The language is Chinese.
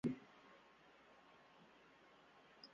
太郎兄弟。